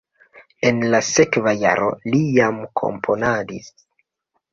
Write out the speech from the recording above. En la sekva jaro li jam komponadis.